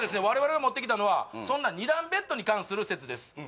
我々が持ってきたのはそんな２段ベッドに関する説です